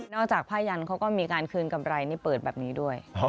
จากผ้ายันเขาก็มีการคืนกำไรนี่เปิดแบบนี้ด้วย